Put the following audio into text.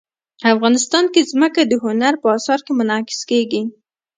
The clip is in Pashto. افغانستان کې ځمکه د هنر په اثار کې منعکس کېږي.